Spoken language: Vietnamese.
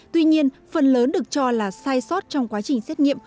tuy nhiên phần lớn được cho là sai sót trong quá trình xét nghiệm